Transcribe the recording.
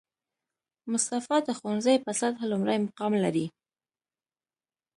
مصطفی د ښوونځي په سطحه لومړی مقام لري